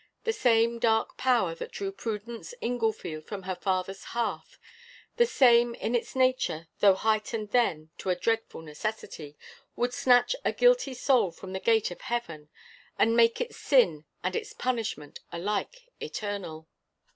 The same dark power that drew Prudence Inglefield from her father's hearth the same in its nature, though heightened then to a dread necessity would snatch a guilty soul from the gate of heaven, and make its sin and its punishment alike eternal.